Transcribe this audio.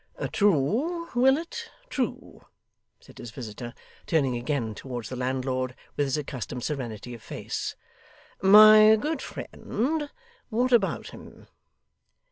'True, Willet, true,' said his visitor, turning again towards the landlord with his accustomed serenity of face. 'My good friend, what about him?